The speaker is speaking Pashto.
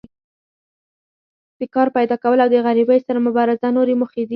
د کار پیداکول او د غریبۍ سره مبارزه نورې موخې دي.